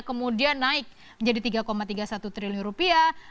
kemudian naik menjadi tiga tiga puluh satu triliun rupiah